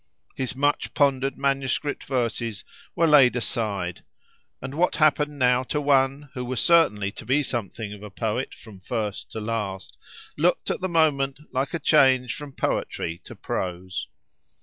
His much pondered manuscript verses were laid aside; and what happened now to one, who was certainly to be something of a poet from first to last, looked at the moment like a change from poetry to prose.